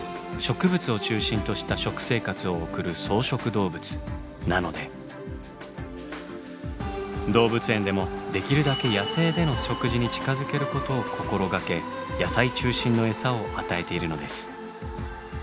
野生のゴリラはなので動物園でもできるだけ野生での食事に近づけることを心がけ野菜中心のエサを与えているのです。